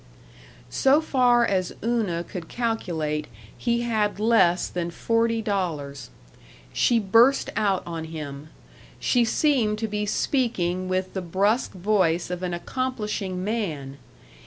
So far as Una could calculate, he had less than forty dollars. She burst out on him. She seemed to be speaking with the brusque voice of an accomplishing man.